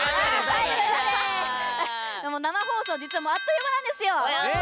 生放送、実はあっという間なんですよ。